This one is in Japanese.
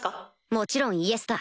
もちろんイエスだ